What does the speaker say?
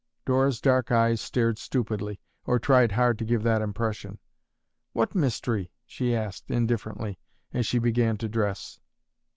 Dora's dark eyes stared stupidly, or tried hard to give that impression. "What mystery?" she asked, indifferently, as she began to dress.